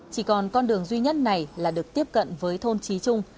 chỉ còn con đường duy nhất này là được tiếp cận với thôn trí trung